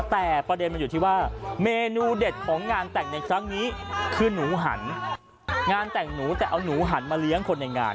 แต่ประเด็นมันอยู่ที่ว่าเมนูเด็ดของงานแต่งในครั้งนี้คือหนูหันงานแต่งหนูแต่เอาหนูหันมาเลี้ยงคนในงาน